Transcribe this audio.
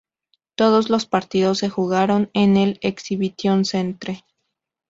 Todos los partidos se jugaron en el Exhibition Centre.